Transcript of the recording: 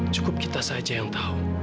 cukup kita saja yang tahu